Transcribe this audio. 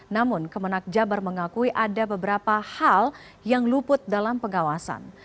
namun kemenak jabar mengakui ada beberapa hal yang luput dalam pengawasan